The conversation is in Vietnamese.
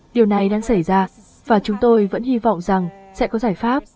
điều này đang xảy ra và chúng tôi vẫn hy vọng rằng sẽ có giải pháp